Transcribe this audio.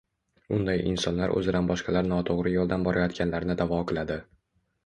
Unday insonlar o`zidan boshqalar noto`g`ri yo`ldan borayotganlarini da`vo qiladi